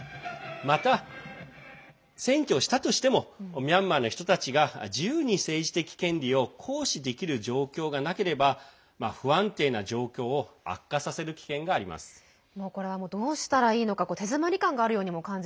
また、選挙をしたとしてもミャンマーの人たちが自由に政治的権利を行使できる状況がなければ不安定な状況を悪化させる危険があります。